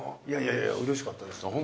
いやいやうれしかったです。